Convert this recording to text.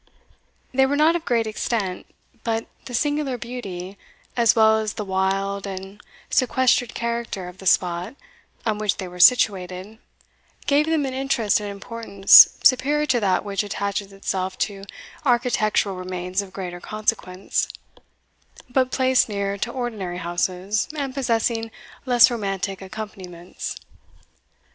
They were not of great extent; but the singular beauty, as well as the wild and sequestered character of the spot on which they were situated, gave them an interest and importance superior to that which attaches itself to architectural remains of greater consequence, but placed near to ordinary houses, and possessing less romantic accompaniments.